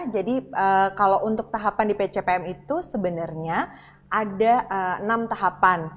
jadi kalau untuk tahapan di pcpm itu sebenarnya ada enam tahapan